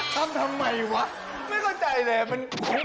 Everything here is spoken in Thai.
ทำทำไมวะไม่เข้าใจเลย